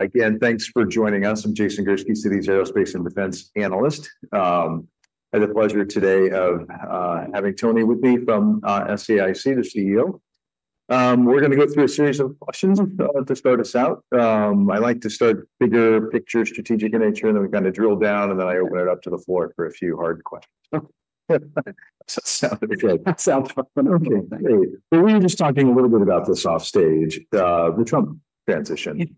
Again, thanks for joining us. I'm Jason Gursky, Citi's Aerospace and Defense Analyst. I had the pleasure today of having Toni with me from SAIC, the CEO. We're going to go through a series of questions to start us out. I like to start bigger picture, strategic in nature, and then we kind of drill down, and then I open it up to the floor for a few hard questions. Sounds good. Okay. Well, we were just talking a little bit about this offstage, the Trump transition.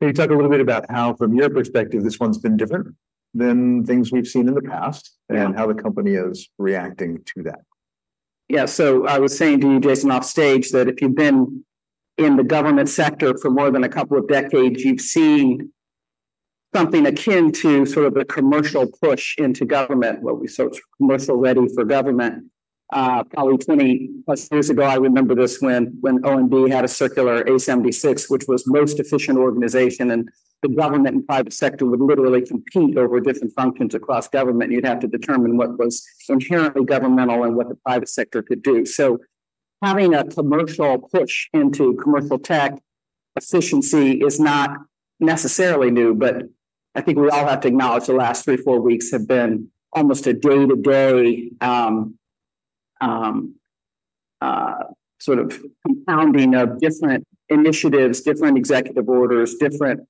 Can you talk a little bit about how, from your perspective, this one's been different than things we've seen in the past and how the company is reacting to that? Yeah. So I was saying to you, Jason, offstage, that if you've been in the government sector for more than a couple of decades, you've seen something akin to sort of a commercial push into government, what we saw, so it's commercial ready for government. Probably 20-plus years ago, I remember this when OMB had a Circular A-76, which was the most efficient organization, and the government and private sector would literally compete over different functions across government, and you'd have to determine what was inherently governmental and what the private sector could do. Having a commercial push into commercial tech efficiency is not necessarily new, but I think we all have to acknowledge the last three, four weeks have been almost a day-to-day sort of compounding of different initiatives, different executive orders, different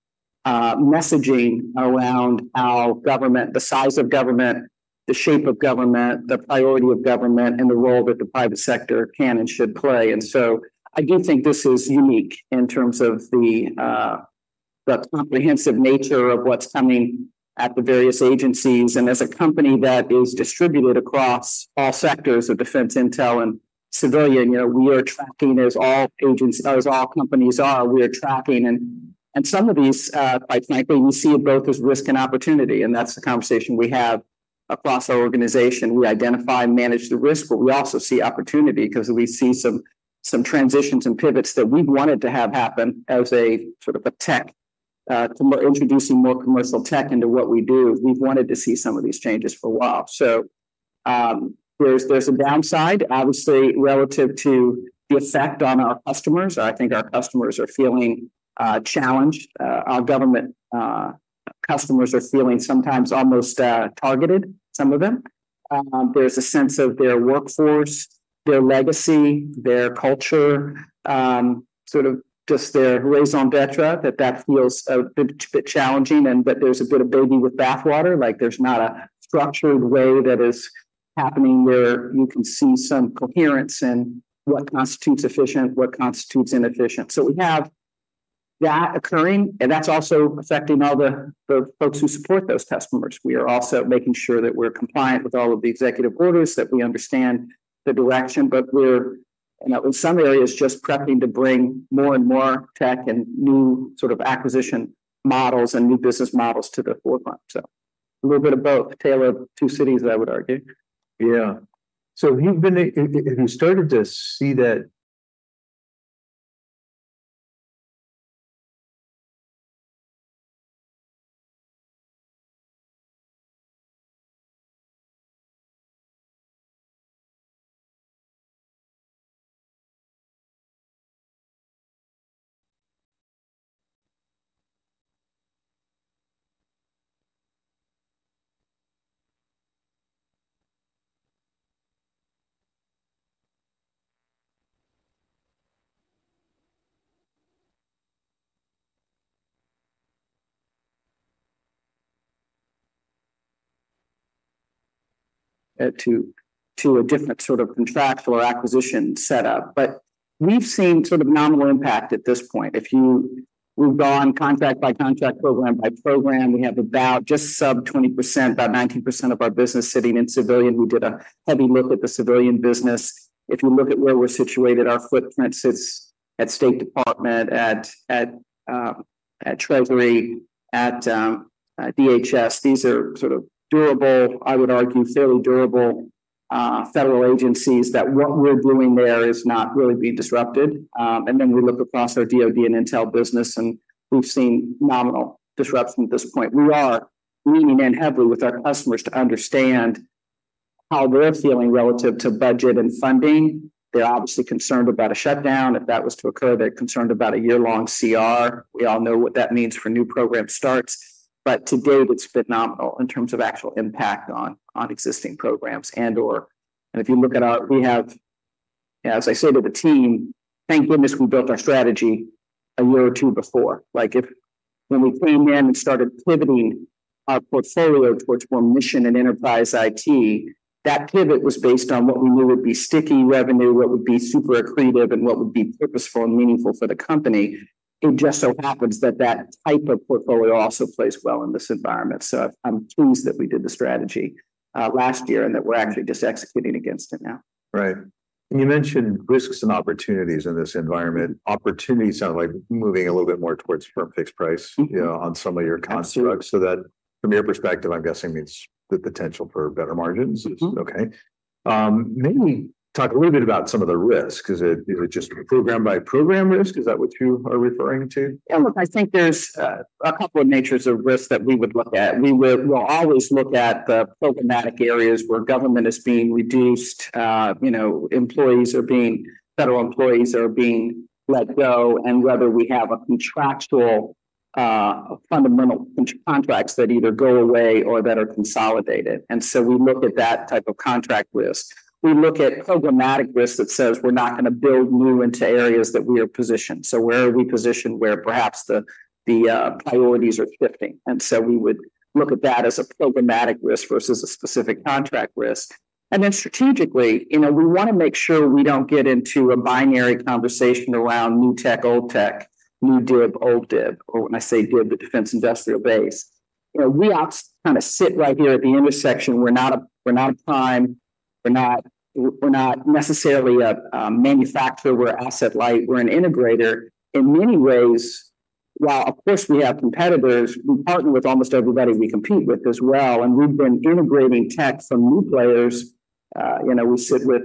messaging around how government, the size of government, the shape of government, the priority of government, and the role that the private sector can and should play. I do think this is unique in terms of the comprehensive nature of what's coming at the various agencies. As a company that is distributed across all sectors of defense, intel, and civilian, we are tracking, as all companies are, we are tracking. Some of these, quite frankly, we see it both as risk and opportunity. That's the conversation we have across our organization. We identify and manage the risk, but we also see opportunity because we see some transitions and pivots that we wanted to have happen as a sort of a tech, introducing more commercial tech into what we do. We've wanted to see some of these changes for a while. So there's a downside, obviously, relative to the effect on our customers. I think our customers are feeling challenged. Our government customers are feeling sometimes almost targeted, some of them. There's a sense of their workforce, their legacy, their culture, sort of just their raison d'être, that that feels a bit challenging, and that there's a bit of baby with bathwater. There's not a structured way that is happening where you can see some coherence in what constitutes efficient, what constitutes inefficient. So we have that occurring, and that's also affecting all the folks who support those customers. We are also making sure that we're compliant with all of the executive orders, that we understand the direction, but we're, in some areas, just prepping to bring more and more tech and new sort of acquisition models and new business models to the forefront, so a little bit of both, tailored to Citi's, I would argue. Yeah. So have you started to see that? To a different sort of contractual acquisition setup. But we've seen sort of nominal impact at this point. If you move on contract by contract, program by program, we have about just sub 20%, about 19% of our business sitting in civilian. We did a heavy look at the civilian business. If you look at where we're situated, our footprint sits at State Department, at Treasury, at DHS. These are sort of durable, I would argue, fairly durable federal agencies that what we're doing there is not really being disrupted. And then we look across our DOD and intel business, and we've seen nominal disruption at this point. We are leaning in heavily with our customers to understand how they're feeling relative to budget and funding. They're obviously concerned about a shutdown. If that was to occur, they're concerned about a year-long CR. We all know what that means for new program starts, but to date, it's been nominal in terms of actual impact on existing programs and/or, and if you look at, we have, as I say to the team, thank goodness we built our strategy a year or two before. When we came in and started pivoting our portfolio towards more mission and Enterprise IT, that pivot was based on what we knew would be sticky revenue, what would be super accretive, and what would be purposeful and meaningful for the company. It just so happens that that type of portfolio also plays well in this environment, so I'm pleased that we did the strategy last year and that we're actually just executing against it now. Right. And you mentioned risks and opportunities in this environment. Opportunities sound like moving a little bit more towards firm fixed price on some of your constructs. So that, from your perspective, I'm guessing means the potential for better margins. Okay. Maybe talk a little bit about some of the risk. Is it just program-by-program risk? Is that what you are referring to? Yeah. Look, I think there's a couple of natures of risk that we would look at. We will always look at the programmatic areas where government is being reduced, federal employees are being let go, and whether we have contractual fundamental contracts that either go away or that are consolidated. And so we look at that type of contract risk. We look at programmatic risk that says we're not going to build new into areas that we are positioned. So where are we positioned where perhaps the priorities are shifting? And so we would look at that as a programmatic risk versus a specific contract risk. And then strategically, we want to make sure we don't get into a binary conversation around new tech, old tech, new DIB, old DIB, or when I say DIB, the Defense Industrial Base. We kind of sit right here at the intersection. We're not a prime. We're not necessarily a manufacturer. We're asset light. We're an integrator. In many ways, while of course we have competitors, we partner with almost everybody we compete with as well. And we've been integrating tech from new players. We sit with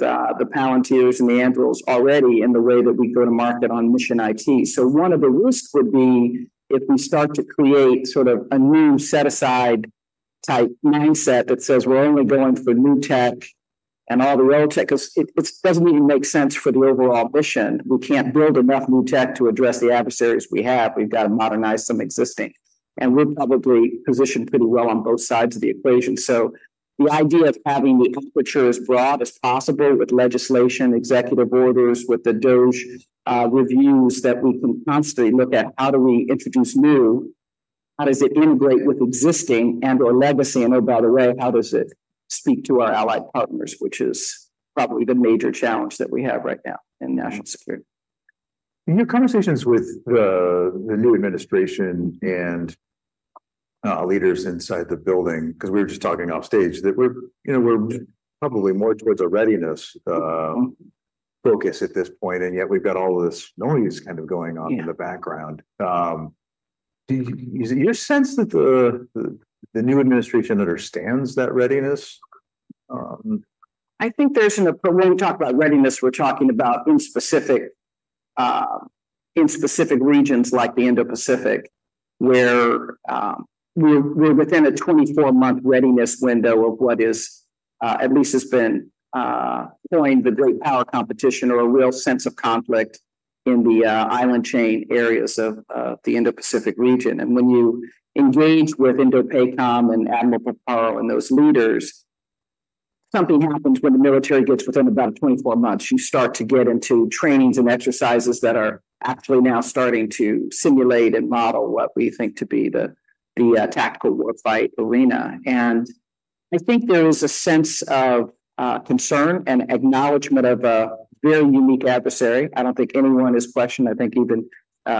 the Palantirs and the Andurils already in the way that we go to market on Mission IT. So one of the risks would be if we start to create sort of a new set-aside type mindset that says we're only going for new tech and all the old tech, because it doesn't even make sense for the overall mission. We can't build enough new tech to address the adversaries we have. We've got to modernize some existing. And we're probably positioned pretty well on both sides of the equation. So the idea of having the aperture as broad as possible with legislation, executive orders, with the DOGE reviews that we can constantly look at, how do we introduce new, how does it integrate with existing and/or legacy? And oh, by the way, how does it speak to our allied partners, which is probably the major challenge that we have right now in national security? In your conversations with the new administration and leaders inside the building, because we were just talking offstage, that we're probably more towards a readiness focus at this point, and yet we've got all this noise kind of going on in the background. Do you sense that the new administration understands that readiness? I think there's, when we talk about readiness, we're talking about in specific regions like the Indo-Pacific, where we're within a 24-month readiness window of what is at least has been coined the great power competition or a real sense of conflict in the island chain areas of the Indo-Pacific region. When you engage with INDOPACOM and Admiral Paparo and those leaders, something happens when the military gets within about 24 months. You start to get into trainings and exercises that are actually now starting to simulate and model what we think to be the tactical warfight arena. I think there is a sense of concern and acknowledgment of a very unique adversary. I don't think anyone has questioned. I think even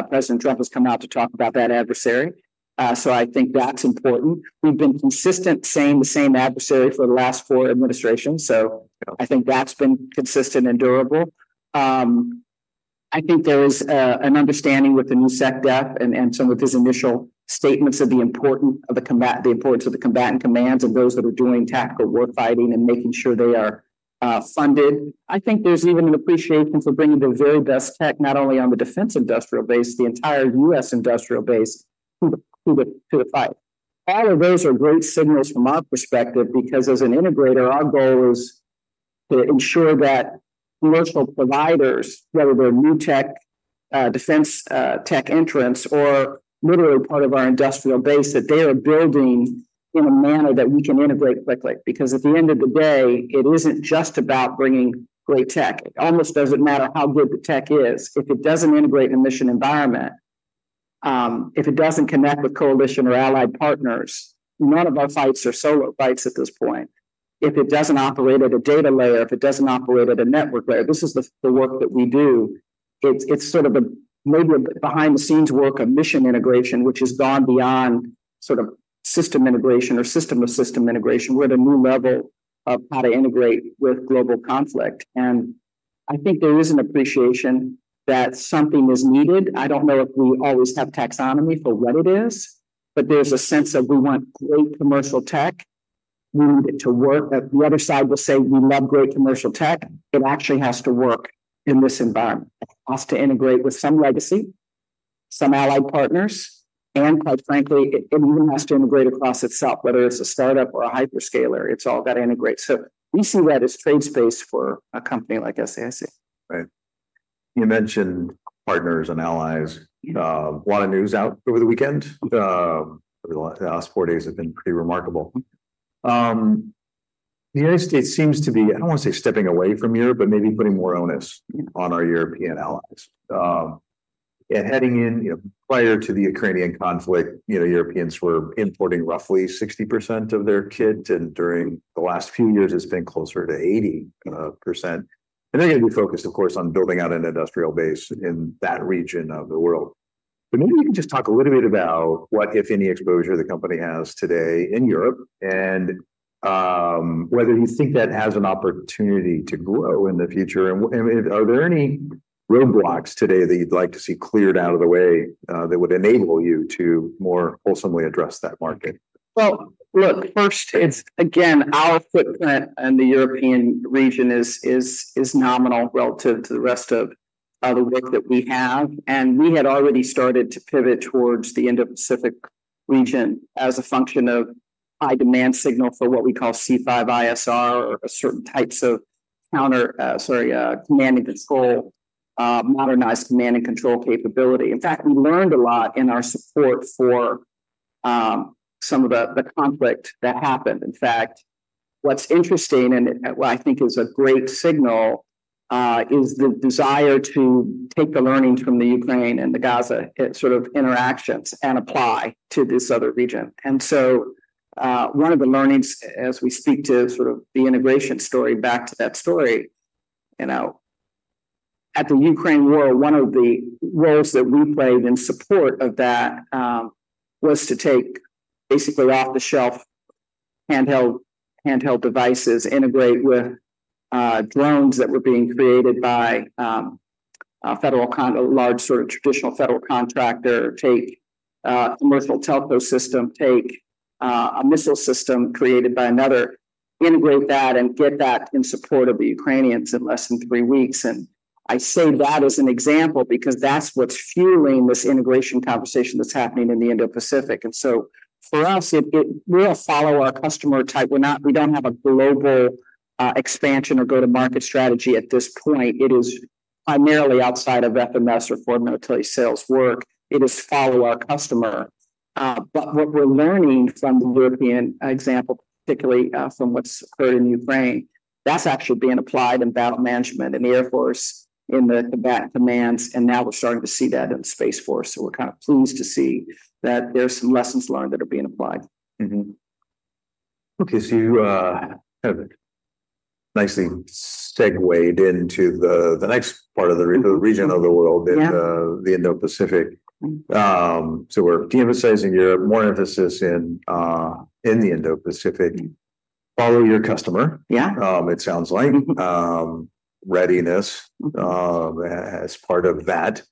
President Trump has come out to talk about that adversary. That's important. We've been consistent saying the same adversary for the last four administrations. I think that's been consistent and durable. I think there is an understanding with the new SecDef and some of his initial statements of the importance of the combatant commands and those that are doing tactical warfighting and making sure they are funded. I think there's even an appreciation for bringing the very best tech, not only on the Defense Industrial Base, the entire U.S. industrial base to the fight. All of those are great signals from our perspective because, as an integrator, our goal is to ensure that commercial providers, whether they're new tech defense tech entrants or literally part of our industrial base, that they are building in a manner that we can integrate quickly. Because at the end of the day, it isn't just about bringing great tech. It almost doesn't matter how good the tech is. If it doesn't integrate in a mission environment, if it doesn't connect with coalition or allied partners, none of our fights are solo fights at this point. If it doesn't operate at a data layer, if it doesn't operate at a network layer, this is the work that we do. It's sort of maybe a bit behind-the-scenes work of mission integration, which has gone beyond sort of system integration or system of system integration. We're at a new level of how to integrate with global conflict. And I think there is an appreciation that something is needed. I don't know if we always have taxonomy for what it is, but there's a sense of we want great commercial tech. We need it to work. The other side will say we love great commercial tech. It actually has to work in this environment. It has to integrate with some legacy, some allied partners, and quite frankly, it even has to integrate across itself, whether it's a startup or a hyperscaler. It's all got to integrate. So we see that as trade space for a company like SAIC. Right. You mentioned partners and allies. A lot of news out over the weekend. The last four days have been pretty remarkable. The United States seems to be, I don't want to say stepping away from Europe, but maybe putting more on us on our European allies, and heading in, prior to the Ukrainian conflict, Europeans were importing roughly 60% of their kit, and during the last few years, it's been closer to 80%, and they're going to be focused, of course, on building out an industrial base in that region of the world, but maybe you can just talk a little bit about what, if any, exposure the company has today in Europe and whether you think that has an opportunity to grow in the future? Are there any roadblocks today that you'd like to see cleared out of the way that would enable you to more wholeheartedly address that market? Look, first, it's again, our footprint in the European region is nominal relative to the rest of the work that we have. And we had already started to pivot towards the Indo-Pacific region as a function of high demand signal for what we call C5ISR or certain types of counter, sorry, command and control, modernized command and control capability. In fact, we learned a lot in our support for some of the conflict that happened. In fact, what's interesting and what I think is a great signal is the desire to take the learnings from the Ukraine and the Gaza sort of interactions and apply to this other region. One of the learnings, as we speak to sort of the integration story back to that story, from the Ukraine war, one of the roles that we played in support of that was to take basically off-the-shelf handheld devices, integrate with drones that were being created by a federal, a large sort of traditional federal contractor, take a commercial telco system, take a missile system created by another, integrate that and get that in support of the Ukrainians in less than three weeks. I say that as an example because that's what's fueling this integration conversation that's happening in the Indo-Pacific. For us, we'll follow our customer type. We don't have a global expansion or go-to-market strategy at this point. It is primarily outside of FMS or foreign military sales work. It is follow our customer. But what we're learning from the European example, particularly from what's occurred in Ukraine, that's actually being applied in battle management, in the Air Force, in the combatant commands. And now we're starting to see that in the Space Force. So we're kind of pleased to see that there's some lessons learned that are being applied. Okay. So you have nicely segued into the next part of the region of the world, the Indo-Pacific. So we're de-emphasizing Europe, more emphasis in the Indo-Pacific, follow your customer, it sounds like, readiness as part of that.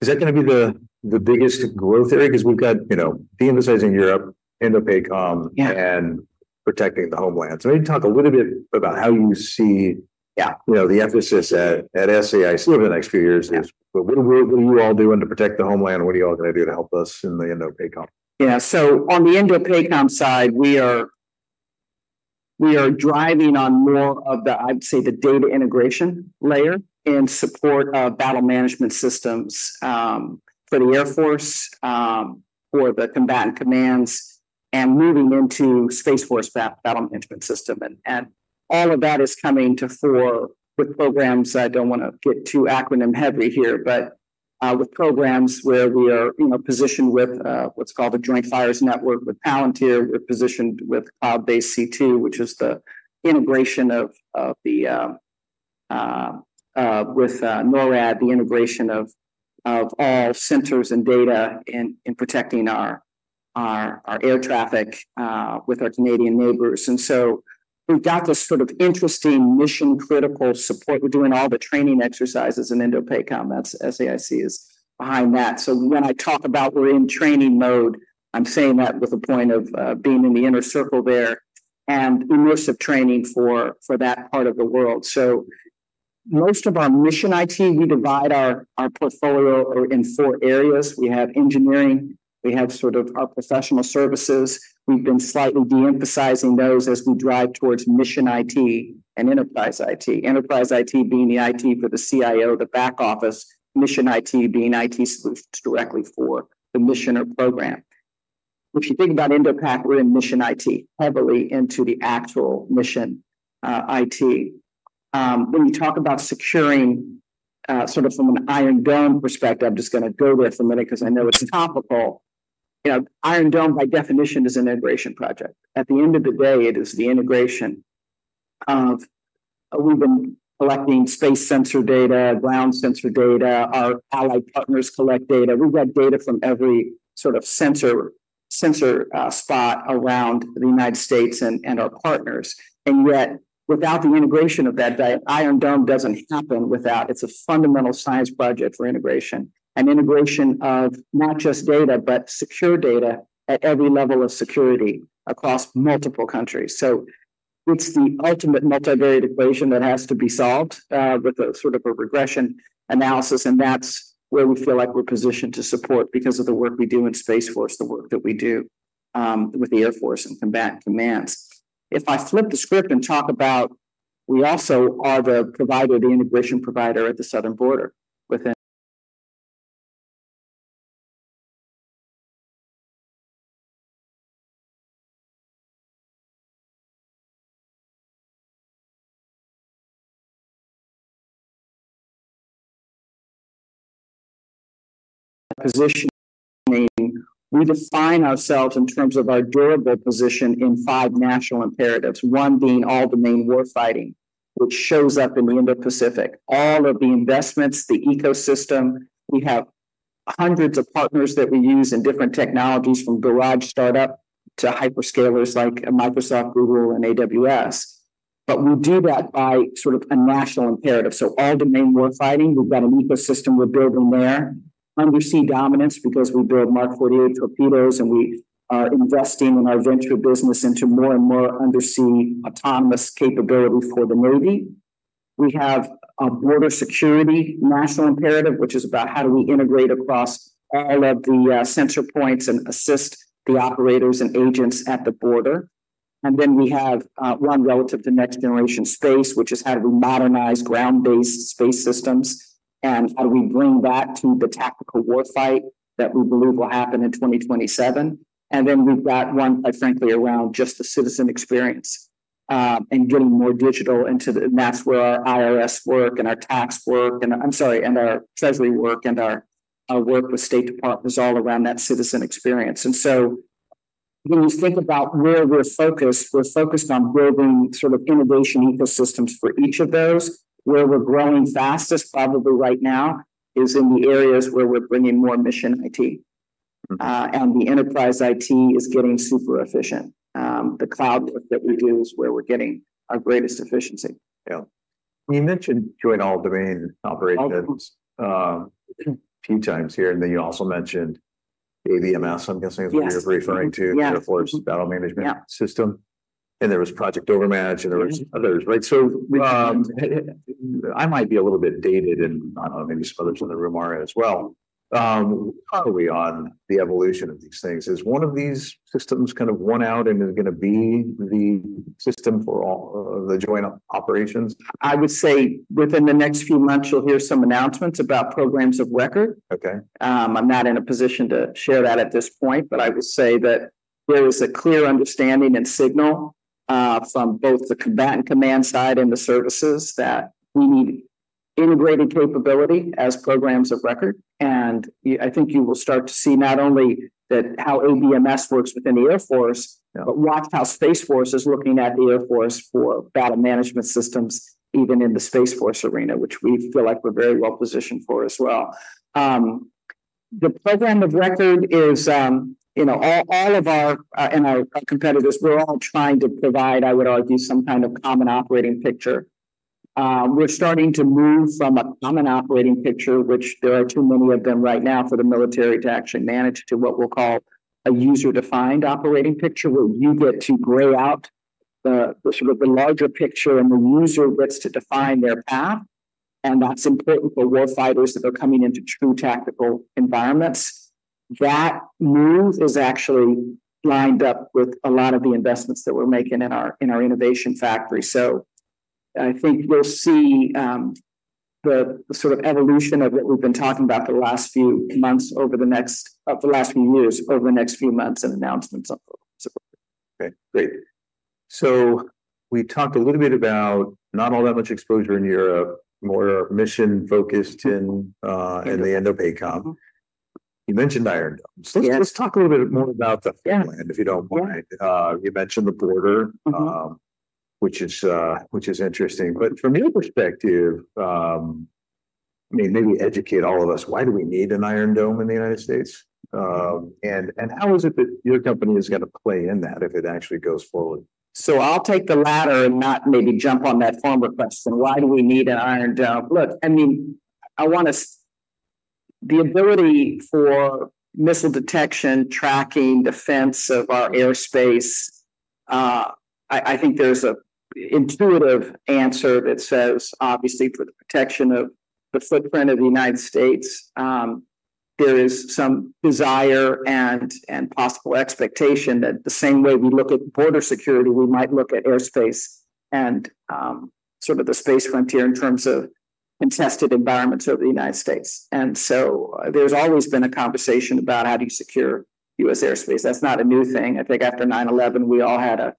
Is that going to be the biggest growth area? Because we've got de-emphasizing Europe, INDOPACOM, and protecting the homelands. Maybe talk a little bit about how you see the emphasis at SAIC over the next few years. What are you all doing to protect the homeland? What are you all going to do to help us in the INDOPACOM? Yeah, so on the INDOPACOM side, we are driving on more of the, I'd say, the data integration layer in support of battle management systems for the Air Force or the combatant commands and moving into Space Force battle management system, and all of that is coming to fruition with programs. I don't want to get too acronym-heavy here, but with programs where we are positioned with what's called the Joint Fires Network with Palantir. We're positioned with Cloud-Based C2, which is the integration with NORAD, the integration of all centers and data in protecting our air traffic with our Canadian neighbors, and so we've got this sort of interesting mission-critical support. We're doing all the training exercises in INDOPACOM. That's SAIC is behind that. So when I talk about, we're in training mode, I'm saying that with a point of being in the inner circle there and immersive training for that part of the world. So most of our Mission IT, we divide our portfolio in four areas. We have engineering. We have sort of our professional services. We've been slightly de-emphasizing those as we drive towards Mission IT and Enterprise IT. Enterprise IT being the IT for the CIO, the back office. Mission IT being IT solutions directly for the mission or program. If you think about IndoPAC, we're in Mission IT heavily into the actual Mission IT. When you talk about securing sort of from an Iron Dome perspective, I'm just going to go there for a minute because I know it's topical. Iron Dome, by definition, is an integration project. At the end of the day, it is the integration of we've been collecting space sensor data, ground sensor data. Our allied partners collect data. We've got data from every sort of sensor spot around the United States and our partners. And yet, without the integration of that, the Iron Dome doesn't happen without. It's a fundamental science project for integration and integration of not just data, but secure data at every level of security across multiple countries. So it's the ultimate multivariate equation that has to be solved with a sort of a regression analysis. And that's where we feel like we're positioned to support because of the work we do in Space Force, the work that we do with the Air Force and combatant commands. If I flip the script and talk about we also are the provider, the integration provider at the southern border with. Positioning, we define ourselves in terms of our durable position in five national imperatives, one being all-domain warfighting, which shows up in the Indo-Pacific. All of the investments, the ecosystem, we have hundreds of partners that we use in different technologies from garage startup to hyperscalers like Microsoft, Google, and AWS. But we do that by sort of a national imperative. So all-domain warfighting, we've got an ecosystem we're building there. Undersea dominance because we build Mark 48 torpedoes and we are investing in our venture business into more and more undersea autonomous capability for the Navy. We have a border security national imperative, which is about how do we integrate across all of the sensor points and assist the operators and agents at the border. And then we have one relative to next-generation space, which is how do we modernize ground-based space systems and how do we bring that to the tactical warfight that we believe will happen in 2027. And then we've got one, quite frankly, around just the citizen experience and getting more digital into the, and that's where our IRS work and our tax work and, I'm sorry, and our treasury work and our work with State Department all around that citizen experience. And so when you think about where we're focused, we're focused on building sort of innovation ecosystems for each of those. Where we're growing fastest probably right now is in the areas where we're bringing more Mission IT. And the Enterprise IT is getting super efficient. The cloud work that we do is where we're getting our greatest efficiency. Yeah. You mentioned joint all-domain operations a few times here, and then you also mentioned ABMS. I'm guessing is what you're referring to, Air Force Battle Management System. And there was Project Overmatch and there were others, right? So I might be a little bit dated, and I don't know, maybe some others in the room are as well. Probably on the evolution of these things. Is one of these systems kind of won out and is going to be the system for all the joint operations? I would say within the next few months, you'll hear some announcements about programs of record. I'm not in a position to share that at this point, but I would say that there is a clear understanding and signal from both the combatant command side and the services that we need integrated capability as programs of record, and I think you will start to see not only how ABMS works within the Air Force, but watch how Space Force is looking at the Air Force for battle management systems, even in the Space Force arena, which we feel like we're very well positioned for as well. The program of record is all of our competitors, we're all trying to provide, I would argue, some kind of common operating picture. We're starting to move from a common operating picture, which there are too many of them right now for the military to actually manage, to what we'll call a user-defined operating picture, where you get to gray out the sort of the larger picture and the user gets to define their path. And that's important for warfighters that are coming into true tactical environments. That move is actually lined up with a lot of the investments that we're making in our innovation factory. So I think you'll see the sort of evolution of what we've been talking about the last few years over the next few months and announcements of. Okay. Great. So we talked a little bit about not all that much exposure in Europe, more mission-focused in the INDOPACOM. You mentioned Iron Domes. Let's talk a little bit more about the homeland, if you don't mind. You mentioned the border, which is interesting. But from your perspective, I mean, maybe educate all of us, why do we need an iron dome in the United States? And how is it that your company is going to play in that if it actually goes forward? I'll take the latter and not maybe jump on that former question. Why do we need an Iron Dome? Look, I mean, I want to, the ability for missile detection, tracking, defense of our airspace, I think there's an intuitive answer that says, obviously, for the protection of the footprint of the United States, there is some desire and possible expectation that the same way we look at border security, we might look at airspace and sort of the space frontier in terms of contested environments of the United States. And so there's always been a conversation about how do you secure U.S. airspace. That's not a new thing. I think after 9/11, we all had a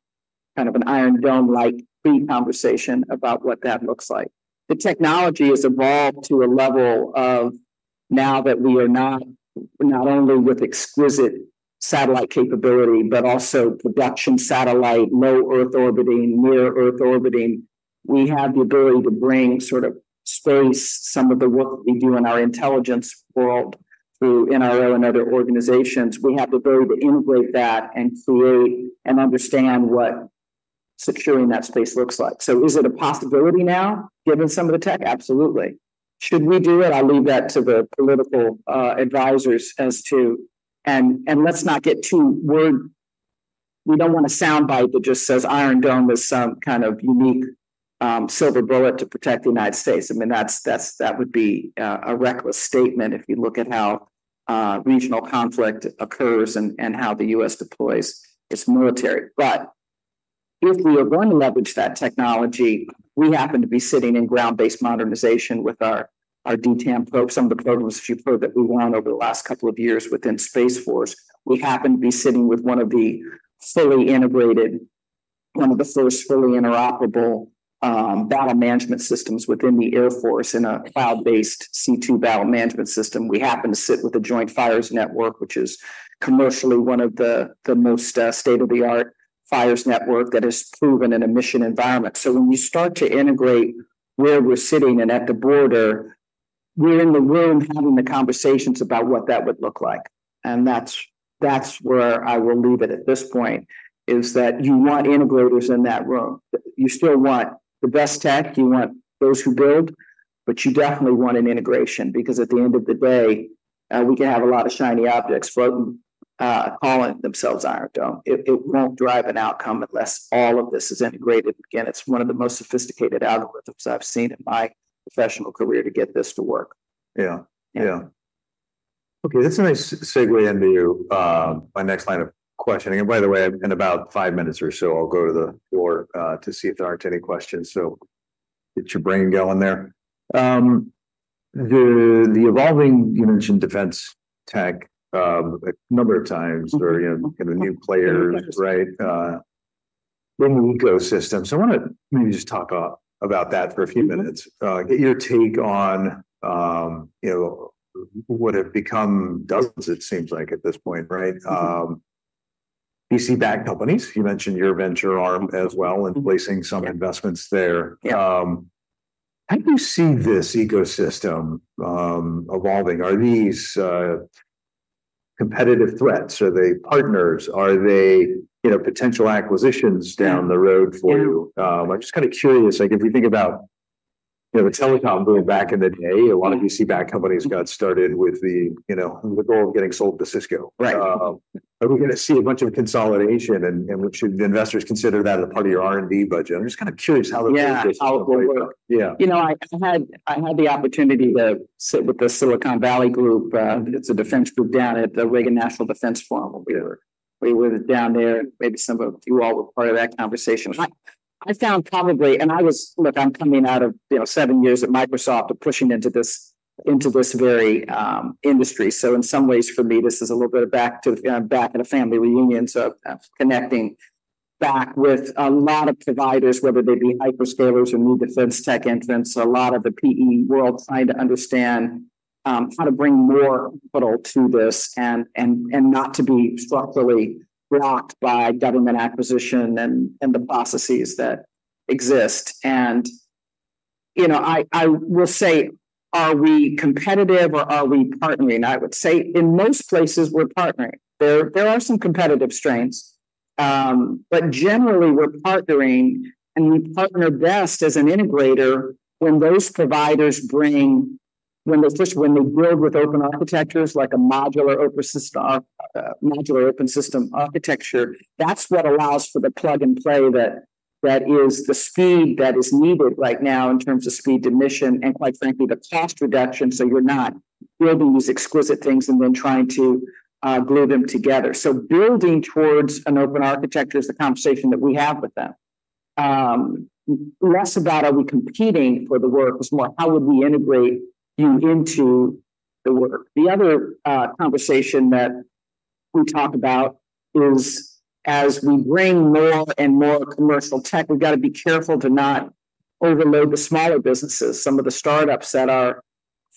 kind of an Iron Dome-like pre-conversation about what that looks like. The technology has evolved to a level of now that we are not only with exquisite satellite capability, but also production satellite, low Earth Orbiting, near Earth Orbiting. We have the ability to bring sort of space, some of the work that we do in our intelligence world through NRO and other organizations. We have the ability to integrate that and create and understand what securing that space looks like. So is it a possibility now, given some of the tech? Absolutely. Should we do it? I'll leave that to the political advisors as to, and let's not get too, we don't want a sound bite that just says Iron Dome is some kind of unique silver bullet to protect the United States. I mean, that would be a reckless statement if you look at how regional conflict occurs and how the U.S. deploys its military. But if we are going to leverage that technology, we happen to be sitting in ground-based modernization with our DTAMM, some of the programs that you've heard that we've run over the last couple of years within Space Force. We happen to be sitting with one of the fully integrated, one of the first fully interoperable battle management systems within the Air Force in a Cloud-Based C2 battle management system. We happen to sit with a Joint Fires Network, which is commercially one of the most state-of-the-art fires networks that is proven in a mission environment. So when you start to integrate where we're sitting and at the border, we're in the room having the conversations about what that would look like. And that's where I will leave it at this point, is that you want integrators in that room. You still want the best tech. You want those who build, but you definitely want an integration because at the end of the day, we can have a lot of shiny objects calling themselves Iron Dome. It won't drive an outcome unless all of this is integrated. Again, it's one of the most sophisticated algorithms I've seen in my professional career to get this to work. Yeah. Yeah. Okay. That's a nice segue into my next line of questioning. And by the way, in about five minutes or so, I'll go to the floor to see if there aren any questions. So get your brain going there. The evolving, you mentioned defense tech a number of times or kind of new players, right? Ecosystems. I want to maybe just talk about that for a few minutes. Get your take on what have become dozens, it seems like, at this point, right? VC-backed companies. You mentioned your venture arm as well and placing some investments there. How do you see this ecosystem evolving? Are these competitive threats? Are they partners? Are they potential acquisitions down the road for you? I'm just kind of curious. If you think about the telecom boom back in the day, a lot of backend companies got started with the goal of getting sold to Cisco. Are we going to see a bunch of consolidation, and should investors consider that a part of your R&D budget? I'm just kind of curious how the transition. Yeah. How it will work. I had the opportunity to sit with the Silicon Valley Group. It's a defense group down at the Reagan National Defense Forum. We were down there. Maybe some of you all were part of that conversation. I found probably, and I was, look, I'm coming out of seven years at Microsoft and pushing into this very industry. So in some ways, for me, this is a little bit of back to back at a family reunion. So I'm connecting back with a lot of providers, whether they be hyperscalers or new defense tech entrants, a lot of the PE world trying to understand how to bring more capital to this and not to be structurally blocked by government acquisition and the processes that exist, and I will say, are we competitive or are we partnering? I would say in most places, we're partnering. There are some competitive strains, but generally, we're partnering, and we partner best as an integrator when those providers bring, when they build with open architectures like a modular open system architecture. That's what allows for the plug and play that is the speed that is needed right now in terms of speed to mission and, quite frankly, the cost reduction, so you're not building these exquisite things and then trying to glue them together, so building towards an open architecture is the conversation that we have with them. Less about are we competing for the work is more how would we integrate you into the work. The other conversation that we talk about is as we bring more and more commercial tech, we've got to be careful to not overload the smaller businesses, some of the startups that are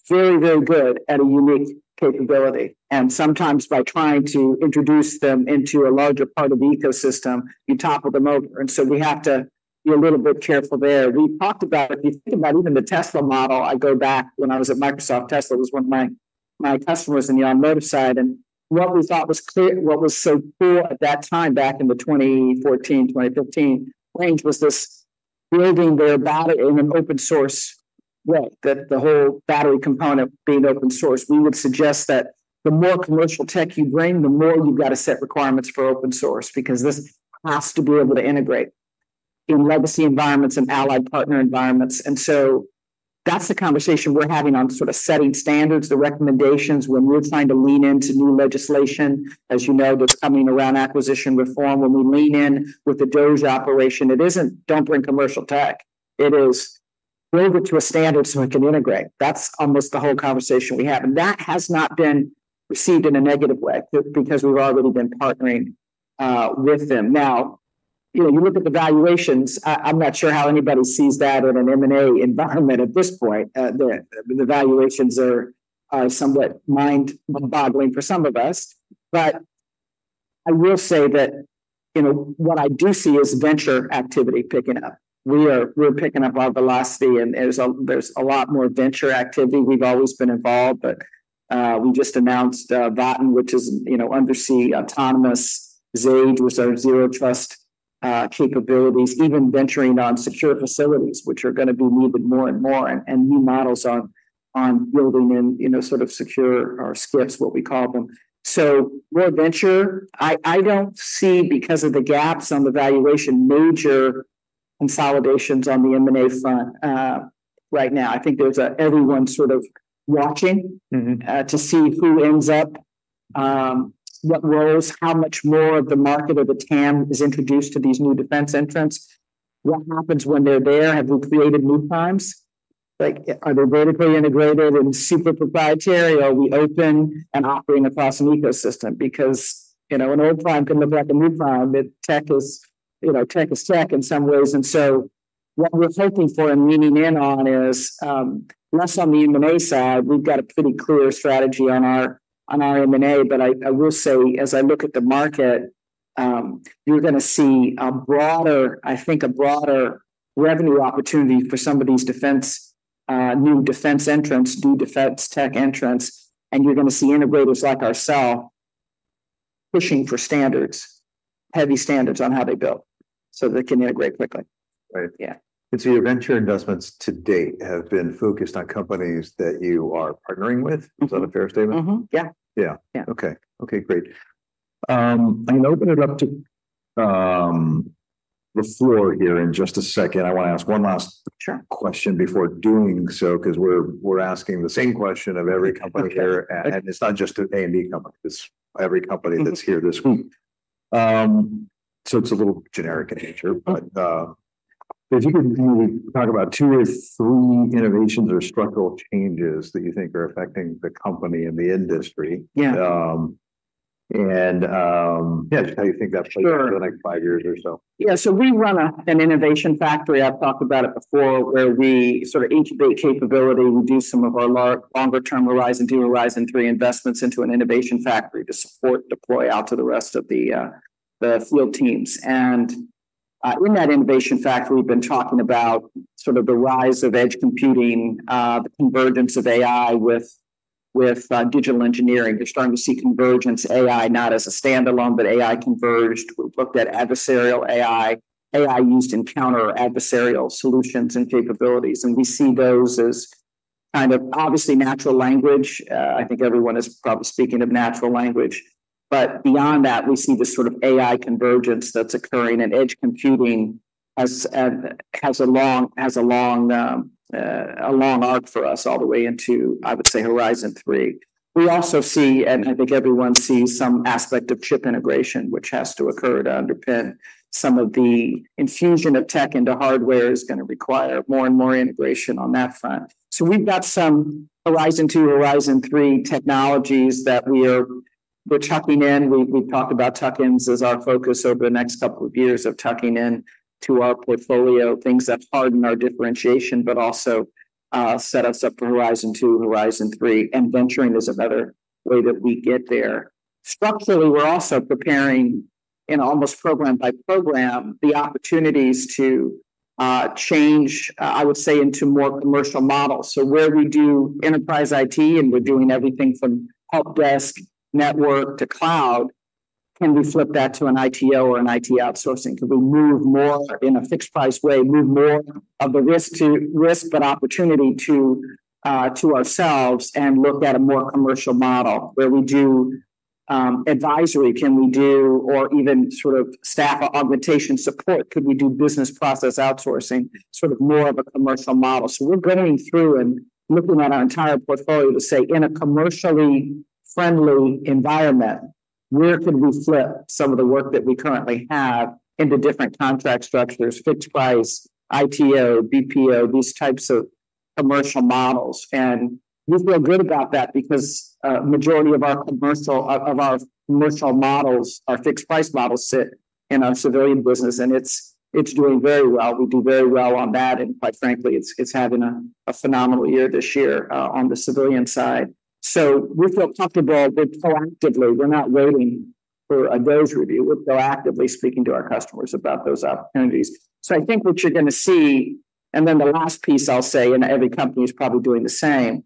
very, very good at a unique capability. And sometimes by trying to introduce them into a larger part of the ecosystem, you topple them over. And so we have to be a little bit careful there. We talked about, if you think about even the Tesla model, I go back when I was at Microsoft, Tesla was one of my customers in the automotive side. And what we thought was clear, what was so cool at that time, back in the 2014-2015 range, was this building their battery in an open-source way, that the whole battery component being open-source. We would suggest that the more commercial tech you bring, the more you've got to set requirements for open-source because this has to be able to integrate in legacy environments and allied partner environments. And so that's the conversation we're having on sort of setting standards, the recommendations when we're trying to lean into new legislation. As you know, there's coming around acquisition reform when we lean in with the DOGE operation. It isn't, "Don't bring commercial tech." It is, "Go over to a standard so it can integrate." That's almost the whole conversation we have, and that has not been received in a negative way because we've already been partnering with them. Now, you look at the valuations. I'm not sure how anybody sees that in an M&A environment at this point. The valuations are somewhat mind-boggling for some of us, but I will say that what I do see is venture activity picking up. We're picking up our velocity, and there's a lot more venture activity. We've always been involved, but we just announced Vatn, which is undersea autonomous Xage, which are zero-trust capabilities, even venturing on secure facilities, which are going to be needed more and more, and new models on building in sort of secure or SCIFs, what we call them. So more venture. I don't see, because of the gaps on the valuation, major consolidations on the M&A front right now. I think everyone's sort of watching to see who ends up, what roles, how much more of the market or the TAM is introduced to these new defense entrants. What happens when they're there? Have we created new primes? Are they vertically integrated and super proprietary, or are we open and operating across an ecosystem? Because an old prime can look like a new prime. Tech is tech in some ways. What we're hoping for and leaning in on is less on the M&A side. We've got a pretty clear strategy on our M&A. But I will say, as I look at the market, you're going to see a broader, I think, a broader revenue opportunity for some of these new defense entrants, new defense tech entrants. You're going to see integrators like ourselves pushing for standards, heavy standards on how they build so they can integrate quickly. Right. And so your venture investments to date have been focused on companies that you are partnering with. Is that a fair statement? Yeah. Yeah. Okay. Okay. Great. I'm going to open it up to the floor here in just a second. I want to ask one last question before doing so because we're asking the same question of every company here, and it's not just an A&D company. It's every company that's here this week, so it's a little generic in nature. But if you could maybe talk about two or three innovations or structural changes that you think are affecting the company and the industry, and yeah, just how you think that plays over the next five years or so. Yeah. So we run an innovation factory. I've talked about it before, where we sort of incubate capability. We do some of our longer-term Horizon 2, Horizon 3 investments into an innovation factory to support, deploy out to the rest of the field teams. And in that innovation factory, we've been talking about sort of the rise of edge computing, the convergence of AI with digital engineering. You're starting to see convergence, AI not as a standalone, but AI converged. We've looked at adversarial AI, AI used in counter-adversarial solutions and capabilities. And we see those as kind of obviously natural language. I think everyone is probably speaking of natural language. But beyond that, we see this sort of AI convergence that's occurring. And edge computing has a long arc for us all the way into, I would say, Horizon 3. We also see, and I think everyone sees, some aspect of chip integration, which has to occur to underpin some of the infusion of tech into hardware, which is going to require more and more integration on that front. So we've got some Horizon 2, Horizon 3 technologies that we're tucking in. We've talked about tuck-ins as our focus over the next couple of years of tucking in to our portfolio, things that harden our differentiation, but also set us up for Horizon 2, Horizon 3, and venturing is another way that we get there. Structurally, we're also preparing in almost program by program the opportunities to change, I would say, into more commercial models. So where we do Enterprise IT, and we're doing everything from help desk network to cloud, can we flip that to an ITO or an IT outsourcing? Can we move more in a fixed-price way, move more of the risk but opportunity to ourselves and look at a more commercial model where we do advisory? Can we do or even sort of staff augmentation support? Could we do business process outsourcing, sort of more of a commercial model? So we're going through and looking at our entire portfolio to say, in a commercially friendly environment, where could we flip some of the work that we currently have into different contract structures, fixed-price, ITO, BPO, these types of commercial models? And we feel good about that because the majority of our commercial models, our fixed-price models sit in our civilian business, and it's doing very well. We do very well on that. And quite frankly, it's having a phenomenal year this year on the civilian side. So we feel comfortable with proactively. We're not waiting for a DOGE review. We're proactively speaking to our customers about those opportunities, so I think what you're going to see, and then the last piece I'll say, and every company is probably doing the same,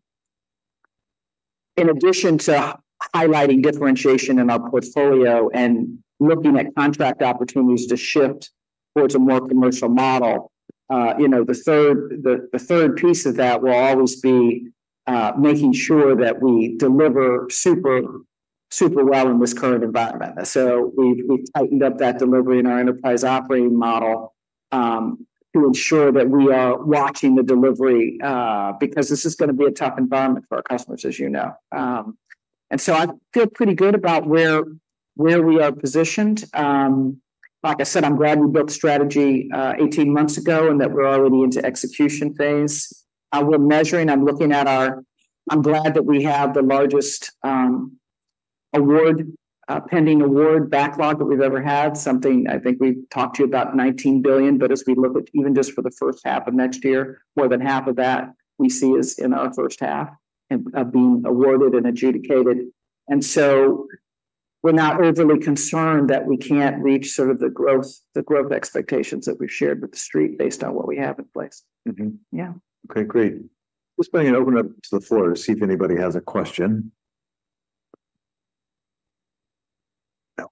in addition to highlighting differentiation in our portfolio and looking at contract opportunities to shift towards a more commercial model, the third piece of that will always be making sure that we deliver super well in this current environment. So we've tightened up that delivery in our enterprise operating model to ensure that we are watching the delivery because this is going to be a tough environment for our customers, as you know, and so I feel pretty good about where we are positioned. Like I said, I'm glad we built strategy 18 months ago and that we're already into execution phase. We're measuring. I'm glad that we have the largest pending award backlog that we've ever had, something I think we've talked to you about $19 billion, but as we look at even just for the first half of next year, more than half of that we see is in our first half of being awarded and adjudicated, and so we're not overly concerned that we can't reach sort of the growth expectations that we've shared with the Street based on what we have in place. Yeah. Okay. Great. Just going to open it up to the floor to see if anybody has a question.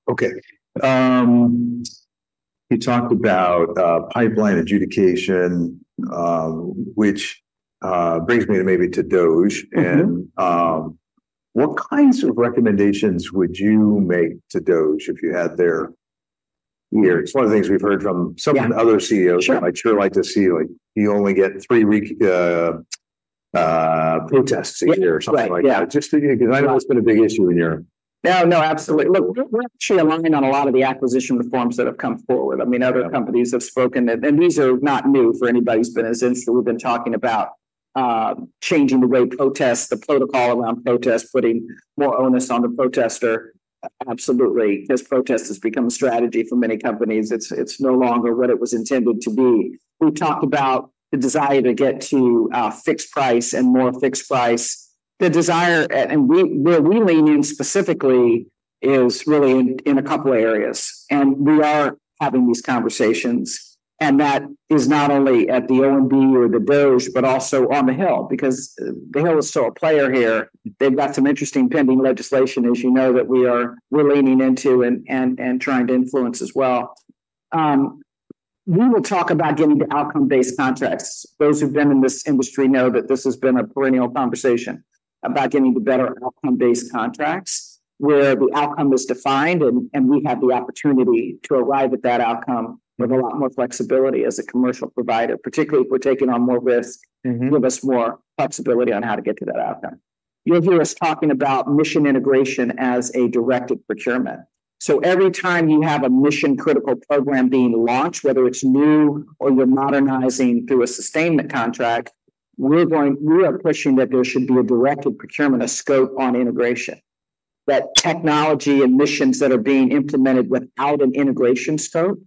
Okay. You talked about pipeline adjudication, which brings me to maybe to DOGE. And what kinds of recommendations would you make to DOGE if you had their ear? It's one of the things we've heard from some of the other CEOs. I'd sure like to see you only get three protests a year or something like that. Just because I know it's been a big issue in your. No, no, absolutely. Look, we're actually aligned on a lot of the acquisition reforms that have come forward. I mean, other companies have spoken, and these are not new for anybody who's been around. We've been talking about changing the way protests, the protocol around protests, putting more onus on the protester. Absolutely. Because protest has become a strategy for many companies. It's no longer what it was intended to be. We talked about the desire to get to fixed price and more fixed price. The desire, and where we lean in specifically, is really in a couple of areas, and we are having these conversations, and that is not only at the OMB or the DOGE, but also on the Hill because the Hill is still a player here. They've got some interesting pending legislation, as you know, that we're leaning into and trying to influence as well. We will talk about getting to outcome-based contracts. Those who've been in this industry know that this has been a perennial conversation about getting to better outcome-based contracts where the outcome is defined, and we have the opportunity to arrive at that outcome with a lot more flexibility as a commercial provider, particularly if we're taking on more risk, give us more flexibility on how to get to that outcome. You'll hear us talking about mission integration as a directed procurement. So every time you have a mission-critical program being launched, whether it's new or you're modernizing through a sustainment contract, we are pushing that there should be a directed procurement, a scope on integration. That technology and missions that are being implemented without an integration scope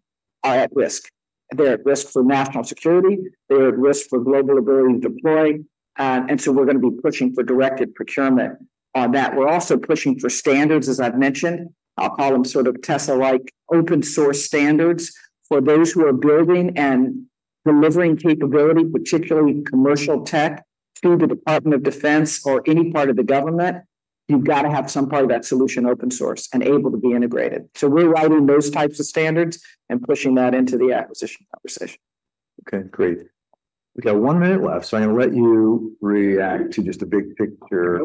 are at risk. They're at risk for national security. They're at risk for global ability to deploy. And so we're going to be pushing for directed procurement on that. We're also pushing for standards, as I've mentioned. I'll call them sort of Tesla-like open-source standards for those who are building and delivering capability, particularly commercial tech, to the Department of Defense or any part of the government. You've got to have some part of that solution open-source and able to be integrated. So we're writing those types of standards and pushing that into the acquisition conversation. Okay. Great. We got one minute left. So I'm going to let you react to just a big picture,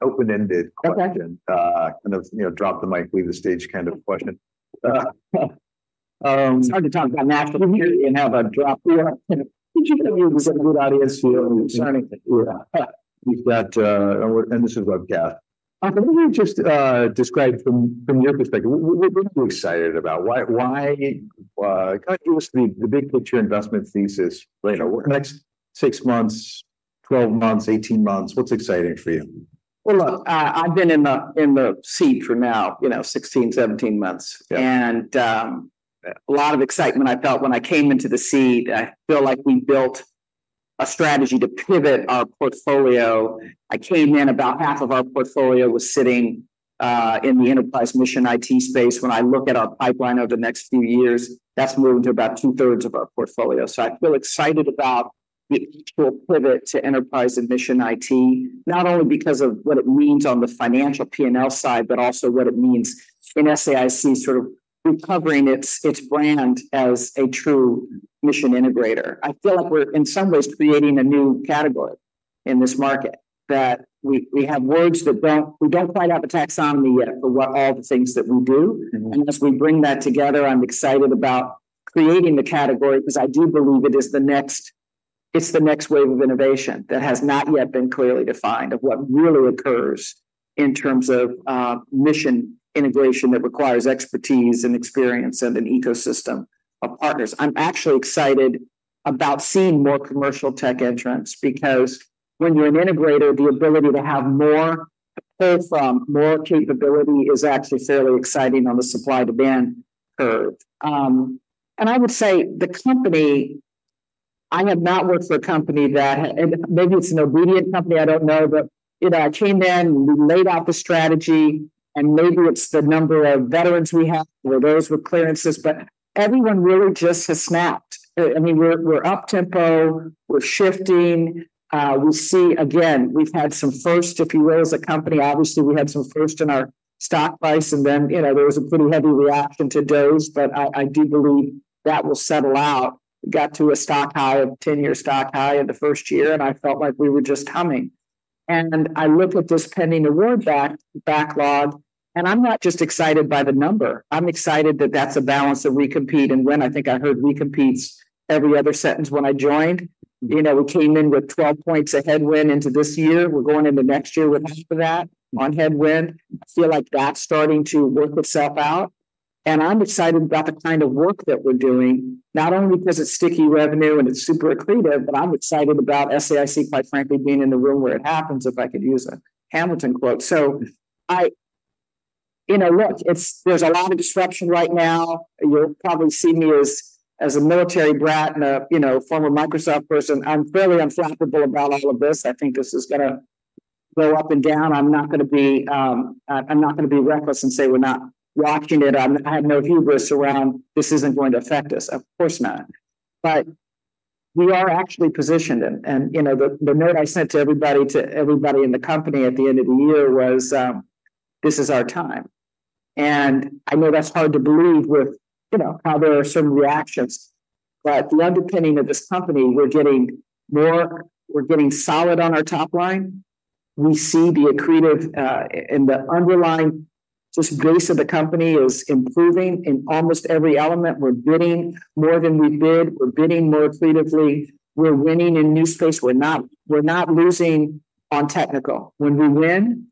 open-ended question, kind of drop the mic, leave the stage kind of question. It's hard to talk about national security and have a drop. Did you get a good audience? Yeah. And this is webcast. Can you just describe from your perspective what are you excited about? Kind of give us the big picture investment thesis. Next six months, 12 months, 18 months, what's exciting for you? Well, look, I've been in the C-suite for now 16, 17 months, and a lot of excitement I felt when I came into the C-suite. I feel like we built a strategy to pivot our portfolio. I came in. About half of our portfolio was sitting in the enterprise Mission IT space. When I look at our pipeline over the next few years, that's moved to about two-thirds of our portfolio. I feel excited about the actual pivot to enterprise and Mission IT, not only because of what it means on the financial P&L side, but also what it means in SAIC sort of recovering its brand as a true mission integrator. I feel like we're, in some ways, creating a new category in this market that we have words that don't quite have a taxonomy yet for all the things that we do. And as we bring that together, I'm excited about creating the category because I do believe it is the next wave of innovation that has not yet been clearly defined of what really occurs in terms of mission integration that requires expertise and experience and an ecosystem of partners. I'm actually excited about seeing more commercial tech entrants because when you're an integrator, the ability to have more to pull from, more capability is actually fairly exciting on the supply-demand curve. And I would say the company I have not worked for a company that, and maybe it's an obedient company. I don't know. But I came in, we laid out the strategy, and maybe it's the number of veterans we have or those with clearances. But everyone really just has snapped. I mean, we're up tempo. We're shifting. We see, again, we've had some first, if you will, as a company. Obviously, we had some first in our stock price, and then there was a pretty heavy reaction to DOGE. But I do believe that will settle out. We got to a stock high of 10-year stock high in the first year, and I felt like we were just humming, and I look at this pending award backlog, and I'm not just excited by the number. I'm excited that that's a balance of we compete and win. I think I heard we compete every other sentence when I joined. We came in with 12 points a headwind into this year. We're going into next year with half of that on headwind. I feel like that's starting to work itself out. And I'm excited about the kind of work that we're doing, not only because it's sticky revenue and it's super accretive, but I'm excited about SAIC, quite frankly, being in the room where it happens, if I could use a Hamilton quote. So look, there's a lot of disruption right now. You'll probably see me as a military brat and a former Microsoft person. I'm fairly unflappable about all of this. I think this is going to go up and down. I'm not going to be reckless and say we're not watching it. I have no hubris around this isn't going to affect us. Of course not. But we are actually positioned. And the note I sent to everybody in the company at the end of the year was, "This is our time." And I know that's hard to believe with how there are certain reactions. But the underpinning of this company, we're getting more. We're getting solid on our top line. We see the accretive and the underlying just base of the company is improving in almost every element. We're bidding more than we bid. We're bidding more accretively. We're winning in new space. We're not losing on technical. When we win,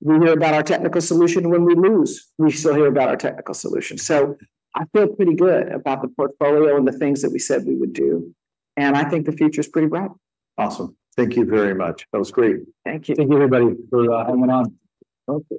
we hear about our technical solution. When we lose, we still hear about our technical solution. So I feel pretty good about the portfolio and the things that we said we would do. And I think the future is pretty bright. Awesome. Thank you very much. That was great. Thank you. Thank you, everybody, for hanging on. Thank you.